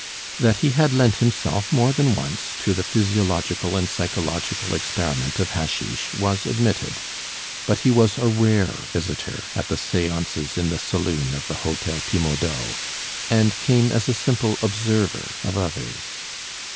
That he had lent himself more than once to the physiological and psychological experiment of hashish was admitted; but he was a rare visitor at the séances in the saloon of the Hotel Pimodau, and came as a simple observer of others.